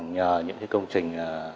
nhờ những công trình